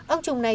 ông chùng này